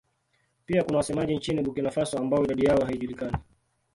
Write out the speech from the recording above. Pia kuna wasemaji nchini Burkina Faso ambao idadi yao haijulikani.